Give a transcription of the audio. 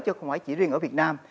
chứ không phải chỉ riêng ở việt nam